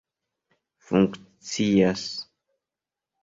funkcias